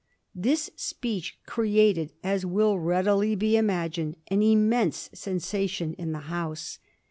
This speech created, as will readily be imagined, an im mense sensation in the House.